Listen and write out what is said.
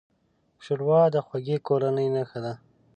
ښوروا د خوږې کورنۍ نښه ده.